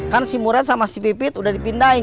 kan si muret sama si pipit udah dipindahin